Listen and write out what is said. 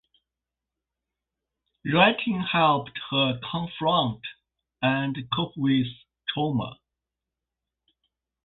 Writing helped her confront and cope with trauma.